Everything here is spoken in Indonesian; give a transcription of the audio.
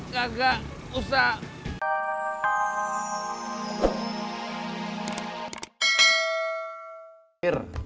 gak gak usah